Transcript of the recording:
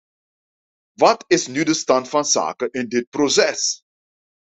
Wat is nu de stand van zaken in dit proces?